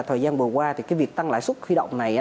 thời gian vừa qua thì việc tăng lãi suất khuy động này